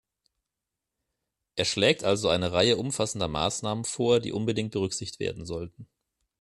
Er schlägt also eine Reihe umfassender Maßnahmen vor, die unbedingt berücksichtigt werden sollten.